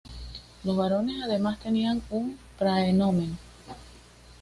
Los varones, además, tenían un "praenomen".